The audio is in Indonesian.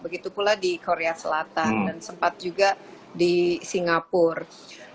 begitu pula di korea selatan dan sempat juga di singapura